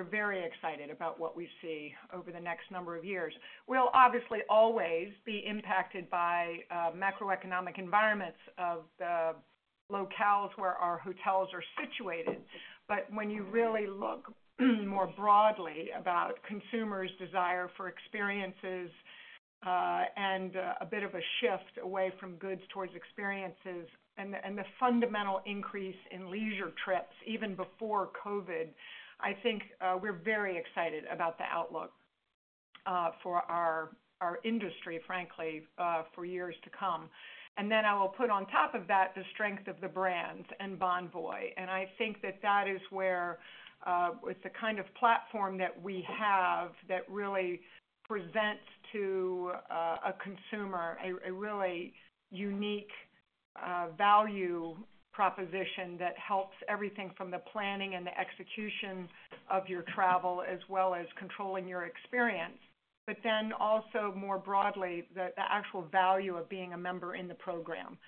We're very excited about what we see over the next number of years. We'll obviously always be impacted by macroeconomic environments of the locales where our hotels are situated. But when you really look more broadly about consumers' desire for experiences, and a bit of a shift away from goods towards experiences, and the fundamental increase in leisure trips even before COVID, I think we're very excited about the outlook for our industry, frankly, for years to come. And then I will put on top of that, the strength of the brands and Bonvoy. I think that that is where it's the kind of platform that we have that really presents to a consumer a really unique value proposition that helps everything from the planning and the execution of your travel, as well as controlling your experience, but then also more broadly the actual value of being a member in the program.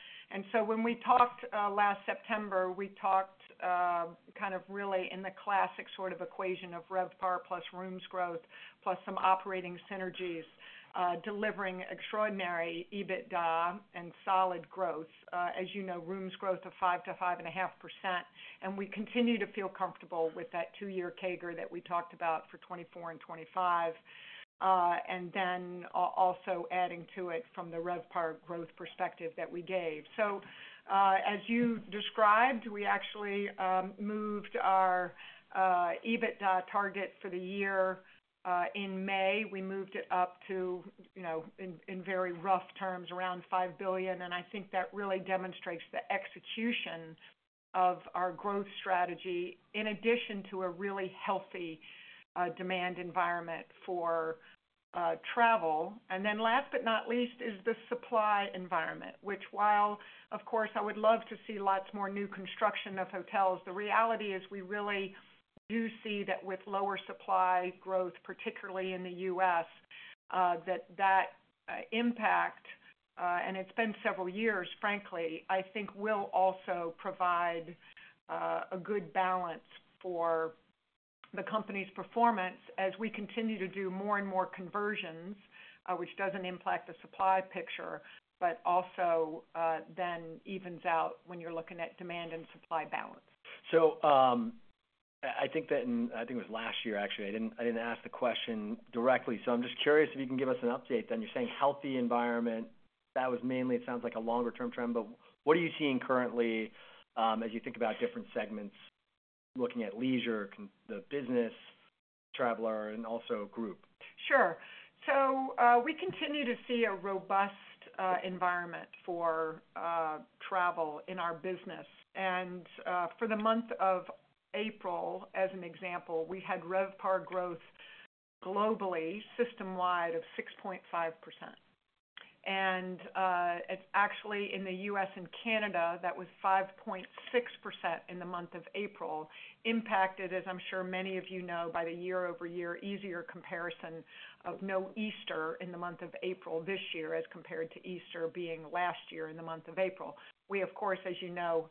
So when we talked last September, we talked kind of really in the classic sort of equation of RevPAR plus rooms growth, plus some operating synergies delivering extraordinary EBITDA and solid growth. As you know, rooms growth of 5%-5.5%, and we continue to feel comfortable with that two-year CAGR that we talked about for 2024 and 2025, and then also adding to it from the RevPAR growth perspective that we gave. So, as you described, we actually moved our EBITDA target for the year in May. We moved it up to, you know, in very rough terms, around $5 billion, and I think that really demonstrates the execution of our growth strategy, in addition to a really healthy demand environment for travel. And then last but not least, is the supply environment, which while, of course, I would love to see lots more new construction of hotels, the reality is we really do see that with lower supply growth, particularly in the U.S., that impact, and it's been several years, frankly, I think will also provide a good balance for the company's performance as we continue to do more and more conversions, which doesn't impact the supply picture, but also, then evens out when you're looking at demand and supply balance. So, I think it was last year, actually, I didn't ask the question directly, so I'm just curious if you can give us an update then. You're saying healthy environment. That was mainly, it sounds like a longer-term trend, but what are you seeing currently, as you think about different segments, looking at leisure, the business traveler, and also group? Sure. We continue to see a robust environment for travel in our business. For the month of April, as an example, we had RevPAR growth globally, system-wide, of 6.5%. It's actually in the U.S. and Canada, that was 5.6% in the month of April, impacted, as I'm sure many of you know, by the year-over-year easier comparison of no Easter in the month of April this year, as compared to Easter being last year in the month of April. We, of course, as you know,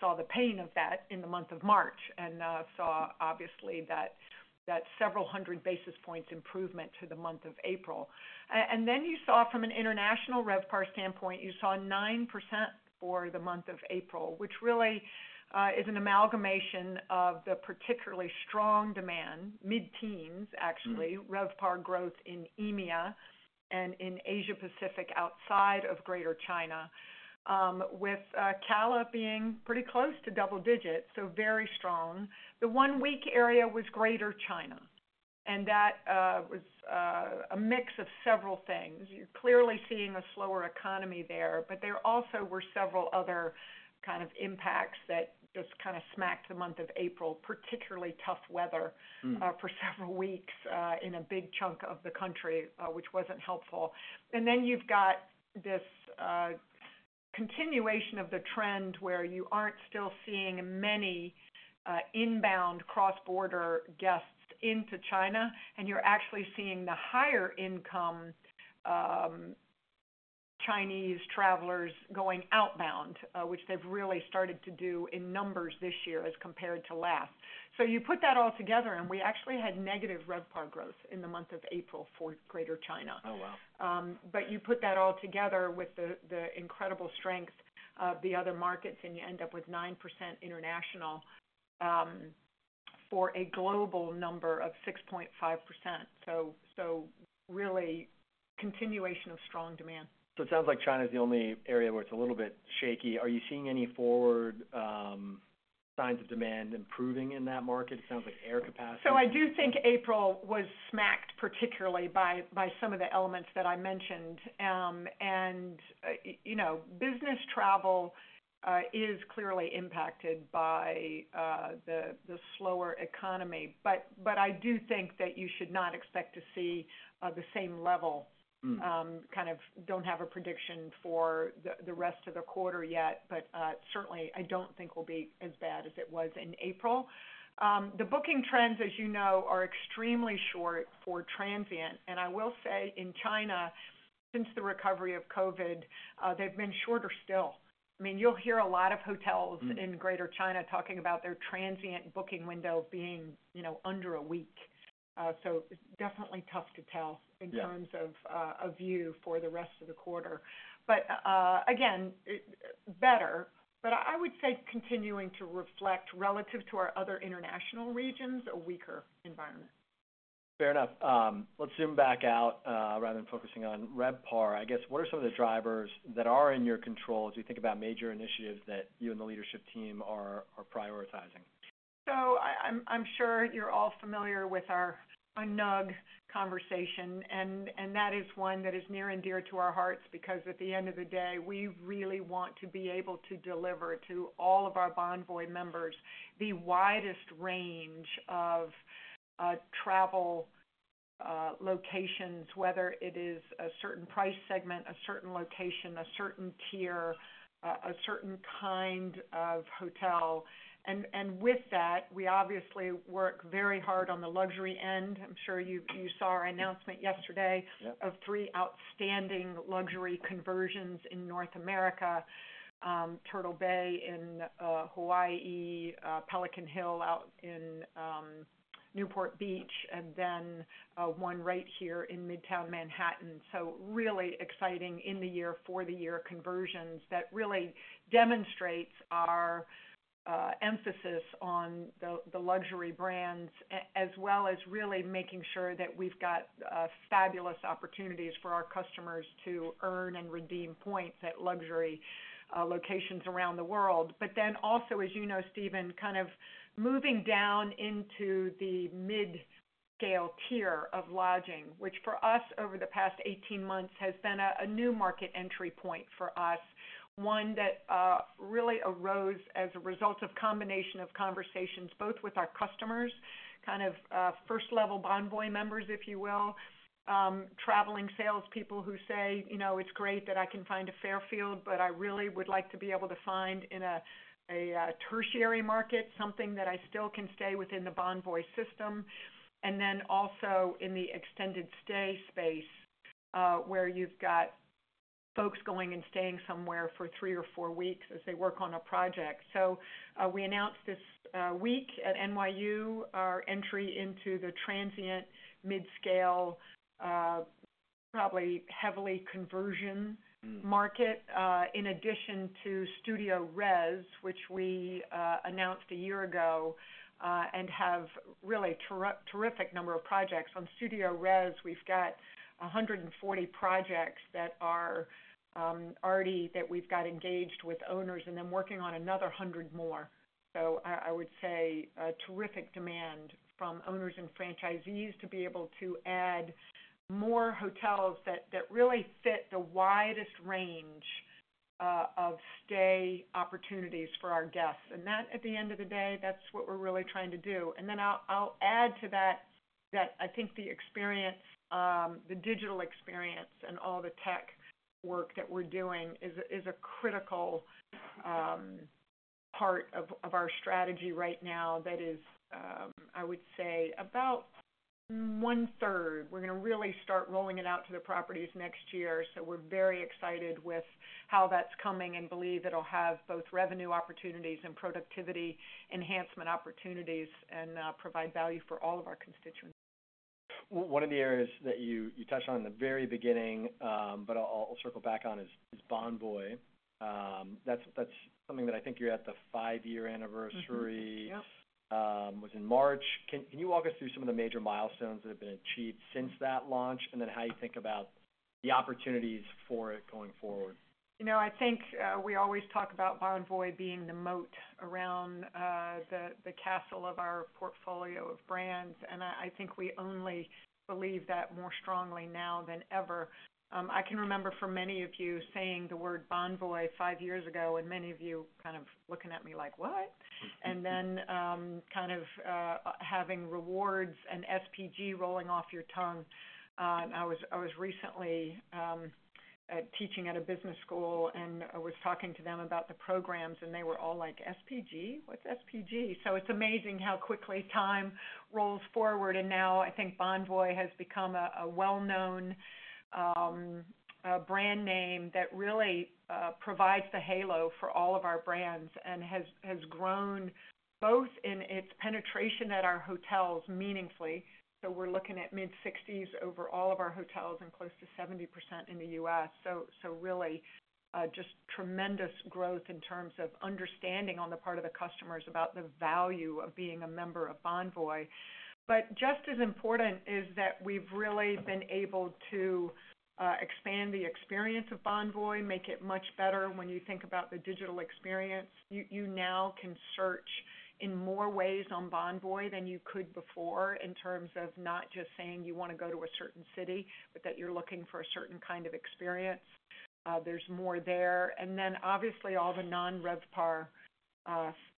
saw the pain of that in the month of March, and saw, obviously, that several hundred basis points improvement to the month of April.And then you saw from an international RevPAR standpoint, you saw 9% for the month of April, which really is an amalgamation of the particularly strong demand, mid-teens, actually- Mm-hmm. - RevPAR growth in EMEA and in Asia Pacific, outside of Greater China, with CALA being pretty close to double digits, so very strong. The one weak area was Greater China, and that was a mix of several things. You're clearly seeing a slower economy there, but there also were several other kind of impacts that just kind of smacked the month of April, particularly tough weather- Mm. For several weeks in a big chunk of the country, which wasn't helpful. And then you've got this continuation of the trend where you aren't still seeing many inbound cross-border guests into China, and you're actually seeing the higher income Chinese travelers going outbound, which they've really started to do in numbers this year as compared to last. So you put that all together, and we actually had negative RevPAR growth in the month of April for Greater China. Oh, wow! But you put that all together with the incredible strength of the other markets, and you end up with 9% international, for a global number of 6.5%. So really continuation of strong demand. So it sounds like China is the only area where it's a little bit shaky. Are you seeing any forward signs of demand improving in that market? It sounds like air capacity. So I do think April was smacked, particularly by some of the elements that I mentioned. You know, business travel is clearly impacted by the slower economy. But I do think that you should not expect to see the same level. Mm. Kind of don't have a prediction for the rest of the quarter yet, but certainly, I don't think will be as bad as it was in April. The booking trends, as you know, are extremely short for transient, and I will say in China, since the recovery of COVID, they've been shorter still. I mean, you'll hear a lot of hotels- Mm-hmm. - in Greater China talking about their transient booking window being, you know, under a week. So it's definitely tough to tell- Yeah in terms of a view for the rest of the quarter. But again, better, but I would say continuing to reflect relative to our other international regions, a weaker environment. Fair enough. Let's zoom back out, rather than focusing on RevPAR. I guess, what are some of the drivers that are in your control as you think about major initiatives that you and the leadership team are prioritizing? I'm sure you're all familiar with our NUG conversation, and that is one that is near and dear to our hearts, because at the end of the day, we really want to be able to deliver to all of our Bonvoy members the widest range of travel locations, whether it is a certain price segment, a certain location, a certain tier, a certain kind of hotel. And with that, we obviously work very hard on the luxury end. I'm sure you saw our announcement yesterday. Yep... of three outstanding luxury conversions in North America, Turtle Bay in Hawaii, Pelican Hill out in Newport Beach, and then one right here in Midtown Manhattan. So really exciting in the year, for the year, conversions that really demonstrates our emphasis on the luxury brands, as well as really making sure that we've got fabulous opportunities for our customers to earn and redeem points at luxury locations around the world. But then also, as you know, Stephen, kind of moving down into the mid-scale tier of lodging, which for us, over the past 18 months, has been a new market entry point for us. One that really arose as a result of combination of conversations, both with our customers, kind of first-level Bonvoy members, if you will. Traveling salespeople who say, "You know, it's great that I can find a Fairfield, but I really would like to be able to find in a tertiary market, something that I still can stay within the Bonvoy system." And then also in the extended stay space, where you've got folks going and staying somewhere for three or four weeks as they work on a project. So, we announced this week at NYU, our entry into the transient mid-scale, probably heavily conversion- Mm... market, in addition to StudioRes, which we announced a year ago, and have really terrific number of projects. On StudioRes, we've got 140 projects that are already that we've got engaged with owners and then working on another 100 more. So I would say a terrific demand from owners and franchisees to be able to add more hotels that really fit the widest range of stay opportunities for our guests. And that, at the end of the day, that's what we're really trying to do. And then I'll add to that, that I think the experience, the digital experience and all the tech work that we're doing is a critical part of our strategy right now that is, I would say, about one third. We're gonna really start rolling it out to the properties next year, so we're very excited with how that's coming and believe it'll have both revenue opportunities and productivity enhancement opportunities, and provide value for all of our constituents. One of the areas that you touched on in the very beginning, but I'll circle back on, is Bonvoy. That's something that I think you're at the five-year anniversary- Mm-hmm. Yep... was in March. Can you walk us through some of the major milestones that have been achieved since that launch, and then how you think about the opportunities for it going forward? You know, I think we always talk about Bonvoy being the moat around the castle of our portfolio of brands, and I think we only believe that more strongly now than ever. I can remember for many of you saying the word Bonvoy five years ago, and many of you kind of looking at me like, "What?" And then, kind of, having rewards and SPG rolling off your tongue. I was recently teaching at a business school, and I was talking to them about the programs, and they were all like: SPG? What's SPG? So it's amazing how quickly time rolls forward, and now I think Bonvoy has become a well-known brand name that really provides the halo for all of our brands and has grown both in its penetration at our hotels meaningfully. So we're looking at mid-60s% over all of our hotels and close to 70% in the U.S. So really just tremendous growth in terms of understanding on the part of the customers about the value of being a member of Bonvoy. But just as important is that we've really been able to expand the experience of Bonvoy, make it much better. When you think about the digital experience, you now can search in more ways on Bonvoy than you could before, in terms of not just saying you wanna go to a certain city, but that you're looking for a certain kind of experience. There's more there. And then, obviously, all the non-RevPAR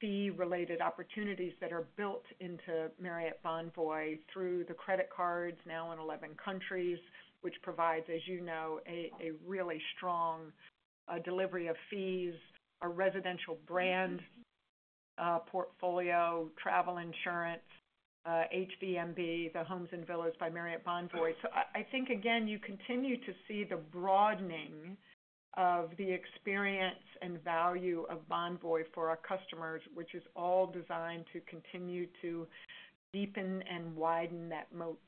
fee-related opportunities that are built into Marriott Bonvoy through the credit cards, now in 11 countries, which provides, as you know, a really strong delivery of fees. Our residential portfolio, travel insurance, HVMB, the Homes and Villas by Marriott Bonvoy. So I think, again, you continue to see the broadening of the experience and value of Bonvoy for our customers, which is all designed to continue to deepen and widen that moat.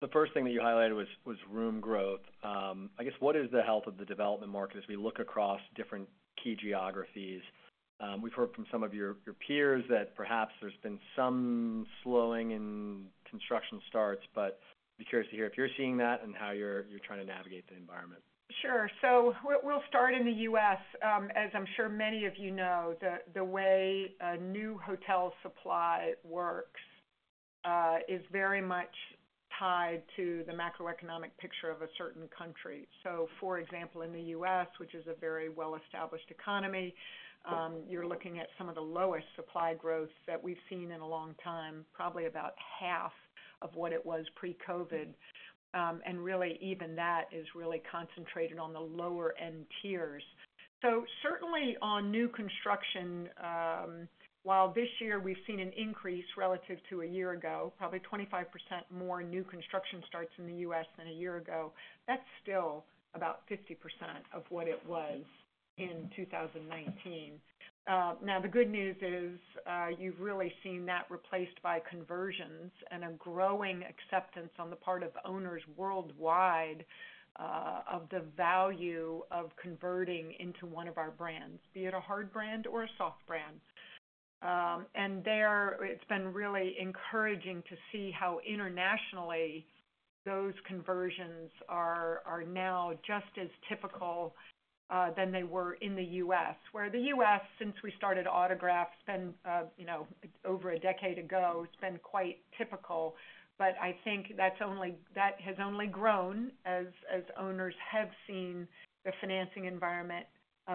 The first thing that you highlighted was room growth. I guess, what is the health of the development market as we look across different key geographies? We've heard from some of your peers that perhaps there's been some slowing in construction starts, but be curious to hear if you're seeing that and how you're trying to navigate the environment. Sure. So we'll start in the U.S. As I'm sure many of you know, the way a new hotel supply works is very much tied to the macroeconomic picture of a certain country. So for example, in the U.S., which is a very well-established economy, you're looking at some of the lowest supply growths that we've seen in a long time, probably about half of what it was pre-COVID. And really, even that is really concentrated on the lower end tiers. So certainly on new construction, while this year we've seen an increase relative to a year ago, probably 25% more new construction starts in the U.S. than a year ago, that's still about 50% of what it was in 2019. Now, the good news is, you've really seen that replaced by conversions and a growing acceptance on the part of owners worldwide, of the value of converting into one of our brands, be it a hard brand or a soft brand. And there, it's been really encouraging to see how internationally those conversions are now just as typical than they were in the U.S. Where the U.S., since we started Autograph, it's been, you know, over a decade ago, it's been quite typical. But I think that has only grown as owners have seen the financing environment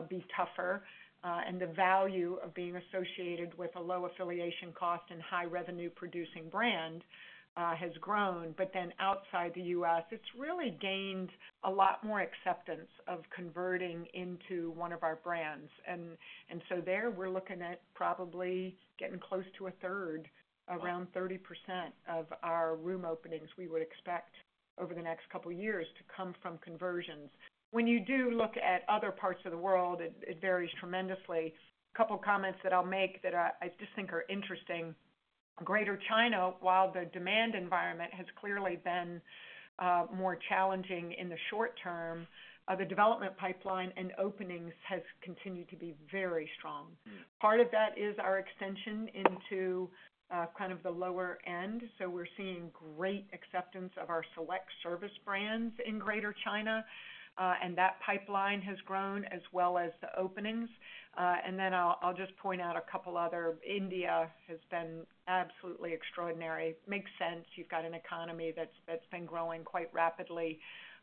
be tougher, and the value of being associated with a low affiliation cost and high revenue-producing brand has grown. But then outside the U.S., it's really gained a lot more acceptance of converting into one of our brands. So there, we're looking at probably getting close to a third, around 30% of our room openings we would expect over the next couple of years to come from conversions. When you do look at other parts of the world, it varies tremendously. A couple of comments that I'll make that I just think are interesting. Greater China, while the demand environment has clearly been more challenging in the short term, the development pipeline and openings has continued to be very strong. Mm. Part of that is our extension into kind of the lower end. So we're seeing great acceptance of our select service brands in Greater China, and that pipeline has grown as well as the openings. And then I'll just point out a couple other. India has been absolutely extraordinary. Makes sense, you've got an economy that's been growing quite rapidly,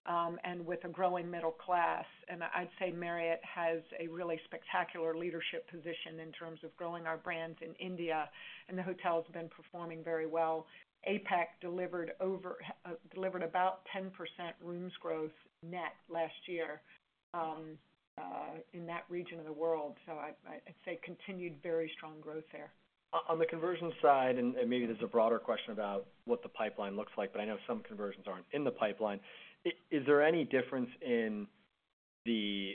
and with a growing middle class. And I'd say Marriott has a really spectacular leadership position in terms of growing our brands in India, and the hotels have been performing very well. APAC delivered about 10% rooms growth net last year, in that region of the world. So I'd say continued very strong growth there. On the conversion side, and maybe there's a broader question about what the pipeline looks like, but I know some conversions aren't in the pipeline. Is there any difference in the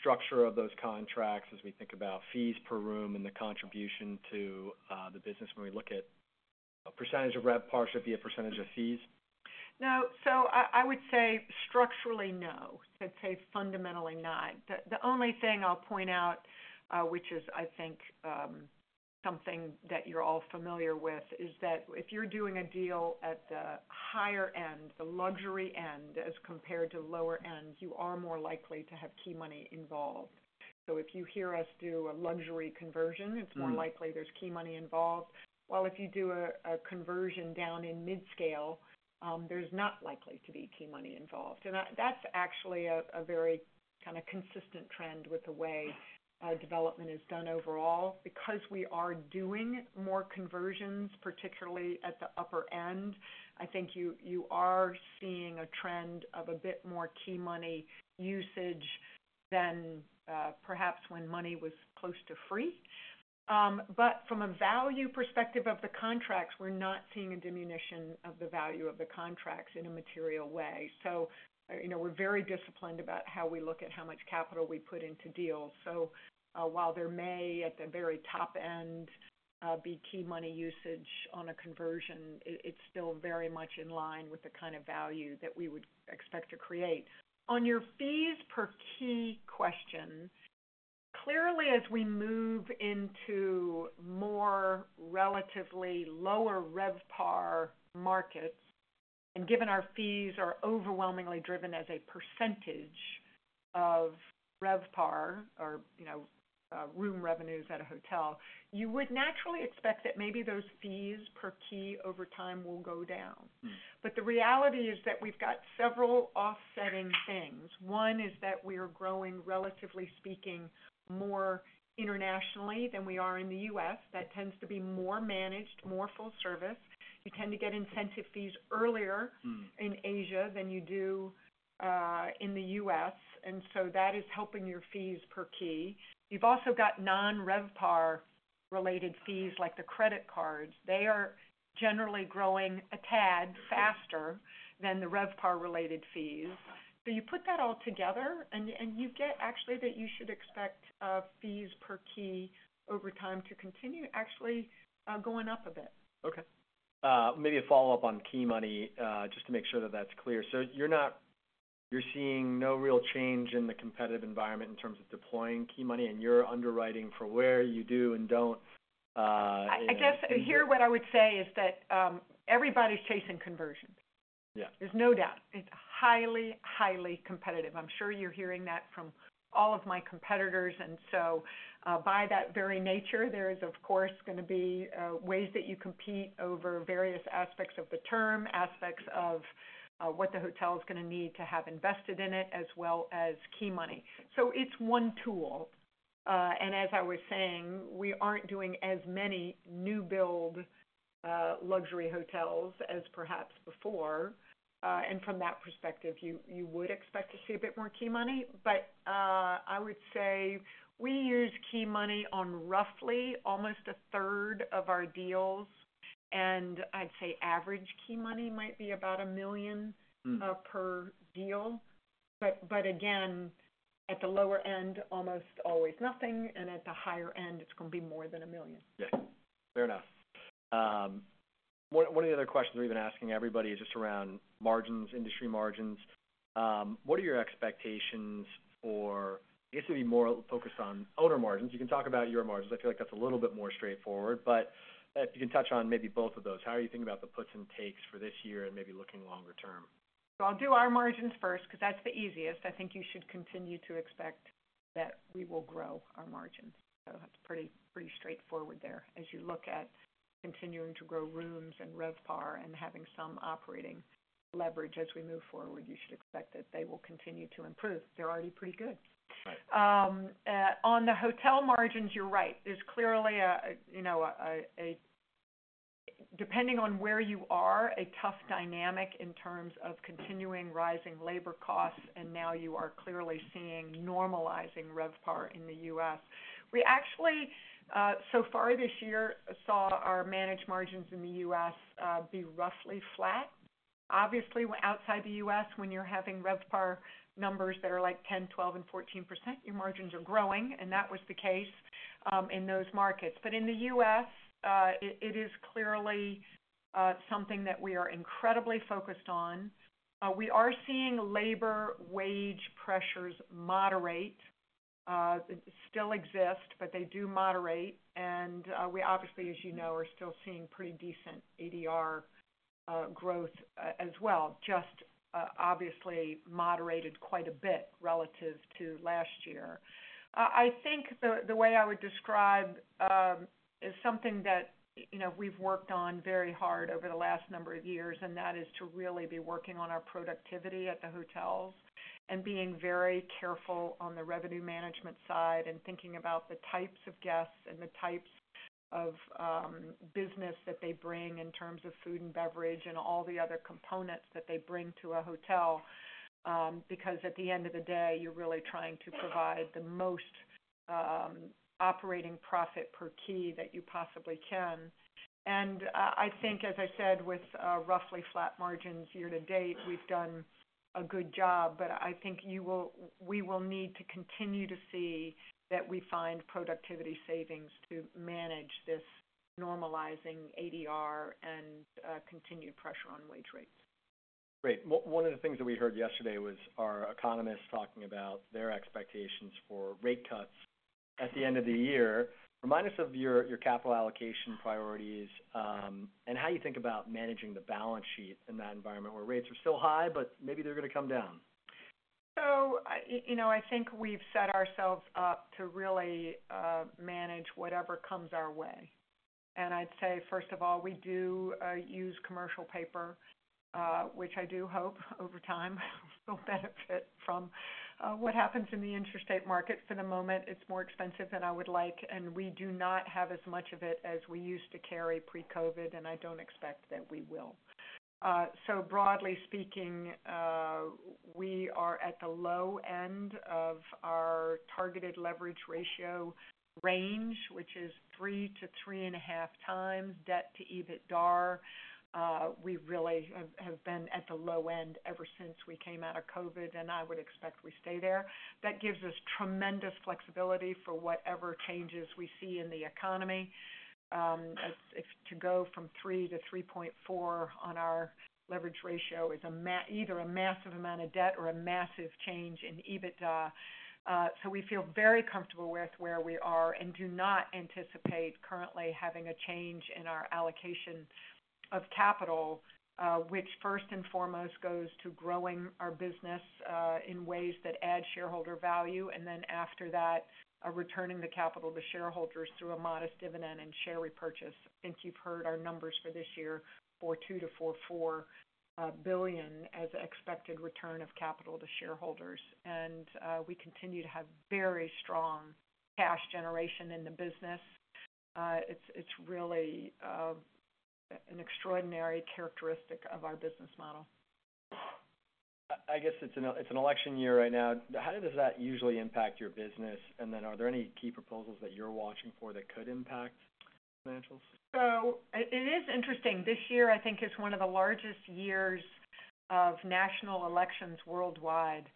structure of those contracts as we think about fees per room and the contribution to the business when we look at a percentage of RevPAR should be a percentage of fees? No. So I would say structurally, no. I'd say fundamentally, none. The only thing I'll point out, which is, I think, something that you're all familiar with, is that if you're doing a deal at the higher end, the luxury end, as compared to lower end, you are more likely to have key money involved. So if you hear us do a luxury conversion- Mm... it's more likely there's key money involved. While if you do a conversion down in mid-scale, there's not likely to be key money involved. And that's actually a very kinda consistent trend with the way development is done overall. Because we are doing more conversions, particularly at the upper end, I think you are seeing a trend of a bit more key money usage than perhaps when money was close to free. But from a value perspective of the contracts, we're not seeing a diminution of the value of the contracts in a material way. So you know, we're very disciplined about how we look at how much capital we put into deals. So, while there may, at the very top end, be Key Money usage on a conversion, it's still very much in line with the kind of value that we would expect to create. On your fees per key question, clearly, as we move into more relatively lower RevPAR markets, and given our fees are overwhelmingly driven as a percentage of RevPAR or, you know, room revenues at a hotel, you would naturally expect that maybe those fees per key over time will go down. Mm. But the reality is that we've got several offsetting things. One is that we are growing, relatively speaking, more internationally than we are in the U.S. That tends to be more managed, more full service. You tend to get incentive fees earlier... Mm... in Asia than you do in the U.S., and so that is helping your fees per key. You've also got non-RevPAR-related fees like the credit cards, they are generally growing a tad faster than the RevPAR-related fees. So you put that all together, and you get actually that you should expect fees per key over time to continue actually going up a bit. Okay. Maybe a follow-up on key money, just to make sure that that's clear. So you're seeing no real change in the competitive environment in terms of deploying key money, and you're underwriting for where you do and don't. I guess, here, what I would say is that, everybody's chasing conversion. Yeah. There's no doubt. It's highly, highly competitive. I'm sure you're hearing that from all of my competitors, and so, by that very nature, there is, of course, going to be, ways that you compete over various aspects of the term, aspects of, what the hotel is going to need to have invested in it, as well as key money. So it's one tool. And as I was saying, we aren't doing as many new build, luxury hotels as perhaps before. And from that perspective, you, you would expect to see a bit more key money. But, I would say we use key money on roughly almost a third of our deals, and I'd say average key money might be about $1 million- Mm-hmm. per deal. But again, at the lower end, almost always nothing, and at the higher end, it's going to be more than $1 million. Yeah. Fair enough. One of the other questions we've been asking everybody is just around margins, industry margins. What are your expectations for... I guess, it'd be more focused on owner margins. You can talk about your margins. I feel like that's a little bit more straightforward, but if you can touch on maybe both of those, how are you thinking about the puts and takes for this year and maybe looking longer term? So I'll do our margins first, because that's the easiest. I think you should continue to expect that we will grow our margins. So that's pretty, pretty straightforward there. As you look at continuing to grow rooms and RevPAR and having some operating leverage as we move forward, you should expect that they will continue to improve. They're already pretty good. Right. On the hotel margins, you're right. There's clearly a you know, depending on where you are, a tough dynamic in terms of continuing rising labor costs, and now you are clearly seeing normalizing RevPAR in the U.S. We actually, so far this year, saw our managed margins in the U.S., be roughly flat. Obviously, outside the U.S., when you're having RevPAR numbers that are like 10%, 12%, and 14%, your margins are growing, and that was the case, in those markets. But in the U.S., it is clearly, something that we are incredibly focused on. We are seeing labor wage pressures moderate, still exist, but they do moderate, and, we obviously, as you know, are still seeing pretty decent ADR growth as well, just, obviously moderated quite a bit relative to last year. I think the way I would describe is something that, you know, we've worked on very hard over the last number of years, and that is to really be working on our productivity at the hotels and being very careful on the revenue management side, and thinking about the types of guests and the types of business that they bring in terms of food and beverage, and all the other components that they bring to a hotel. Because at the end of the day, you're really trying to provide the most operating profit per key that you possibly can. I think, as I said, with roughly flat margins year to date, we've done a good job, but I think you will- we will need to continue to see that we find productivity savings to manage this normalizing ADR and continued pressure on wage rates. Great. One of the things that we heard yesterday was our economists talking about their expectations for rate cuts at the end of the year. Remind us of your, your capital allocation priorities, and how you think about managing the balance sheet in that environment, where rates are still high, but maybe they're going to come down. So I, you know, I think we've set ourselves up to really manage whatever comes our way. And I'd say, first of all, we do use commercial paper, which I do hope over time, we'll benefit from what happens in the interest rate market. For the moment, it's more expensive than I would like, and we do not have as much of it as we used to carry pre-COVID, and I don't expect that we will. So broadly speaking, we are at the low end of our targeted leverage ratio range, which is 3-3.5 times debt to EBITDA. We really have been at the low end ever since we came out of COVID, and I would expect we stay there. That gives us tremendous flexibility for whatever changes we see in the economy. As if to go from 3 to 3.4 on our leverage ratio is either a massive amount of debt or a massive change in EBITDA. So we feel very comfortable with where we are and do not anticipate currently having a change in our allocation of capital, which first and foremost goes to growing our business in ways that add shareholder value, and then after that, returning the capital to shareholders through a modest dividend and share repurchase. I think you've heard our numbers for this year, $4.2 billion-$4.4 billion as expected return of capital to shareholders. We continue to have very strong cash generation in the business. It's really an extraordinary characteristic of our business model.... I guess it's an, it's an election year right now. How does that usually impact your business? And then are there any key proposals that you're watching for that could impact financials? So it is interesting. This year, I think, is one of the largest years of national elections worldwide.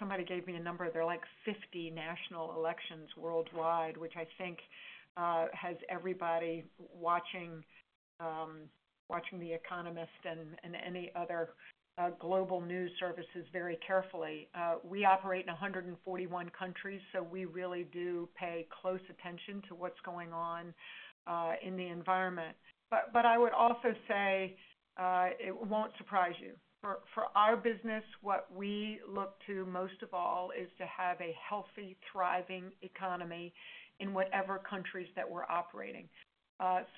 Somebody gave me a number. There are, like, 50 national elections worldwide, which I think has everybody watching watching The Economist and any other global news services very carefully. We operate in 141 countries, so we really do pay close attention to what's going on in the environment. But I would also say it won't surprise you. For our business, what we look to most of all is to have a healthy, thriving economy in whatever countries that we're operating.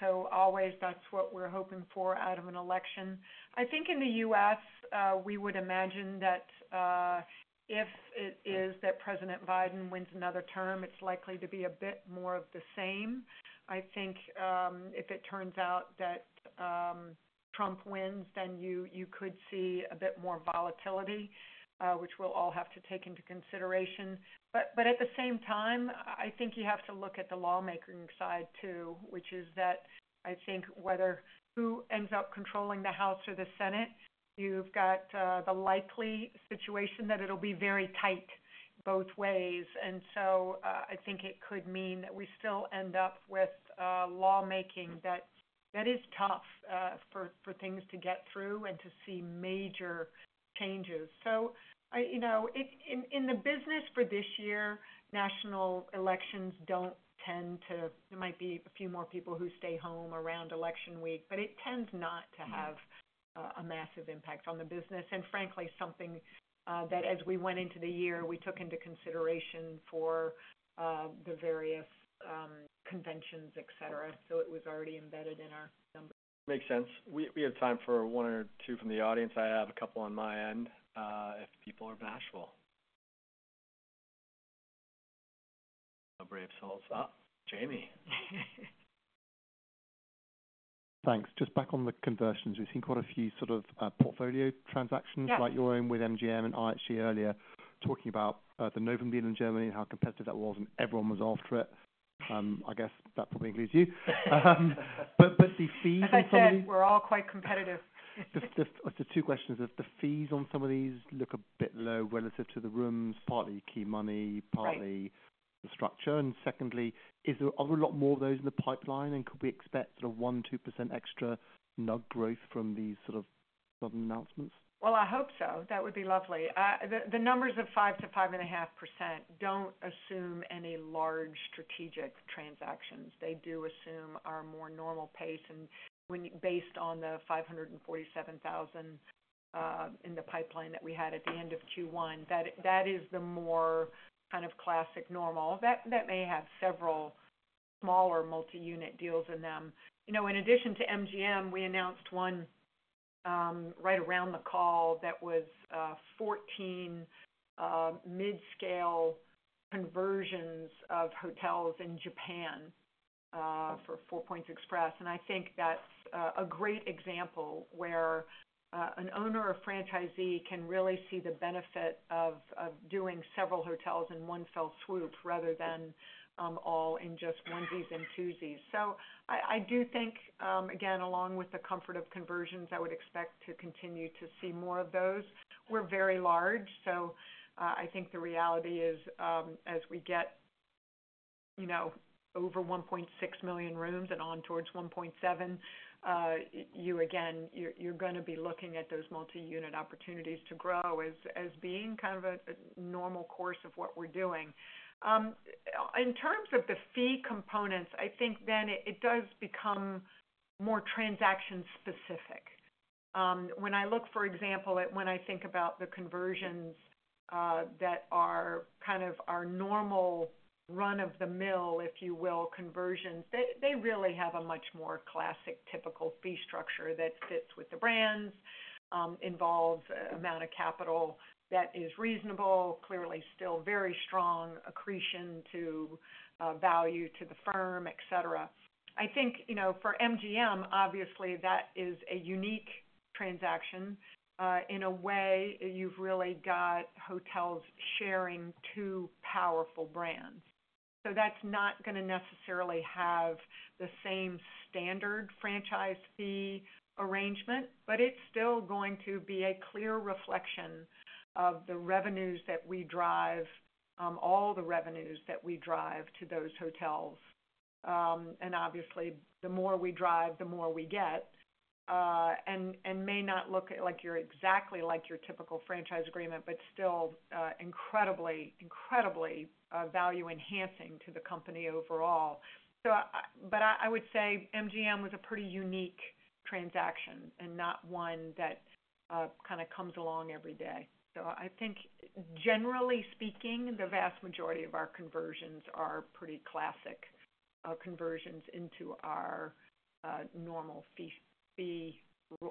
So always that's what we're hoping for out of an election. I think in the U.S., we would imagine that, if it is that President Biden wins another term, it's likely to be a bit more of the same. I think, if it turns out that, Trump wins, then you, you could see a bit more volatility, which we'll all have to take into consideration. But, but at the same time, I think you have to look at the lawmaking side, too, which is that I think whether who ends up controlling the House or the Senate, you've got, the likely situation that it'll be very tight both ways. And so, I think it could mean that we still end up with, lawmaking that, that is tough, for, for things to get through and to see major changes. So, you know, in the business for this year, national elections don't tend to, there might be a few more people who stay home around election week, but it tends not to have a massive impact on the business, and frankly, something that as we went into the year, we took into consideration for the various conventions, et cetera. So it was already embedded in our numbers. Makes sense. We have time for one or two from the audience. I have a couple on my end, if people are bashful. No brave souls. Ah, Jamie. Thanks. Just back on the conversions, we've seen quite a few sort of portfolio transactions- Yeah —like your own with MGM and IHG earlier, talking about, the Novum deal in Germany and how competitive that was, and everyone was after it. I guess that probably includes you. But, but the fees— As I said, we're all quite competitive. Just, just the two questions. If the fees on some of these look a bit low relative to the rooms, partly key money- Right... partly the structure. And secondly, is there are a lot more of those in the pipeline, and could we expect a 1%-2% extra NUG growth from these sort of announcement? Well, I hope so. That would be lovely. The numbers of 5%-5.5% don't assume any large strategic transactions. They do assume our more normal pace, and when based on the 547,000 in the pipeline that we had at the end of Q1, that is the more kind of classic normal. That may have several smaller multi-unit deals in them. You know, in addition to MGM, we announced one right around the call that was 14 mid-scale conversions of hotels in Japan for Four Points Express. And I think that's a great example where an owner or franchisee can really see the benefit of doing several hotels in one fell swoop, rather than all in just onesies and twosies. So I do think, again, along with the comfort of conversions, I would expect to continue to see more of those. We're very large, so, I think the reality is, as we get, you know, over 1.6 million rooms and on towards 1.7, you again, you're gonna be looking at those multi-unit opportunities to grow as being kind of a normal course of what we're doing. In terms of the fee components, I think then it does become more transaction specific. When I look, for example, at when I think about the conversions that are kind of our normal run-of-the-mill, if you will, conversions, they really have a much more classic, typical fee structure that fits with the brands, involves amount of capital that is reasonable, clearly still very strong accretion to value to the firm, et cetera. I think, you know, for MGM, obviously, that is a unique transaction. In a way, you've really got hotels sharing two powerful brands. So that's not gonna necessarily have the same standard franchise fee arrangement, but it's still going to be a clear reflection of the revenues that we drive, all the revenues that we drive to those hotels. And obviously, the more we drive, the more we get, and it may not look exactly like your typical franchise agreement, but still, incredibly value enhancing to the company overall. But I would say MGM was a pretty unique transaction and not one that kind of comes along every day. So I think generally speaking, the vast majority of our conversions are pretty classic conversions into our normal fee,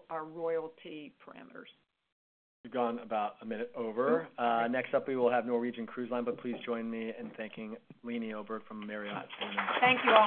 our royalty parameters. We've gone about a minute over. Next up, we will have Norwegian Cruise Line, but please join me in thanking Leeny Oberg from Marriott. Thank you, all.